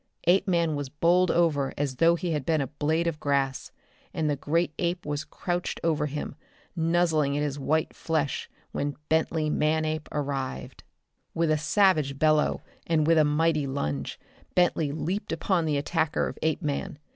Apeman was bowled over as though he had been a blade of grass, and the great ape was crouched over him, nuzzling at his white flesh when Bentley Manape arrived. With a savage bellow, and with a mighty lunge, Bentley leaped upon the attacker of Apeman.